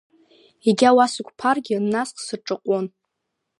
Егьа уа сықәԥаргьы, насх, сырҿаҟәон.